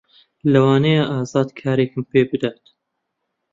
لەوانەیە ئازاد کارێکم پێ بدات.